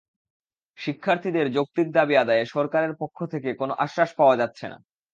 শিক্ষার্থীদের যৌক্তিক দাবি আদায়ে সরকারের পক্ষ থেকে কোনো আশ্বাস পাওয়া যাচ্ছে না।